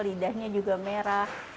lidahnya juga merah